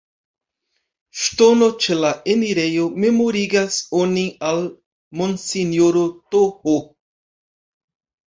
Ŝtono ĉe la enirejo memorigas onin al monsinjoro Th.